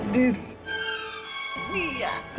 dia sudah sedih